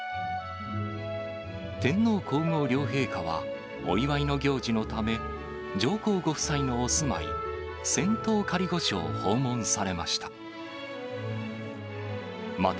天皇皇后両陛下は、お祝いの行事のため、上皇ご夫妻のお住まい、仙洞仮御所を訪問されました。